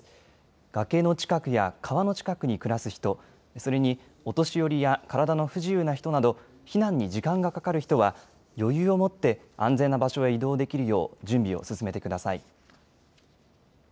崖の近くや川の近くに暮らす人、それにお年寄りや体の不自由な人など避難に時間がかかる人は余裕を持って安全な場所へ移動できるよう準備を進めてください。